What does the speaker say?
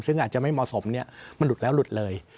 ซึ่งอาจจะไม่เหมาะสมเนี่ยมันหลุดแล้วหลุดเลย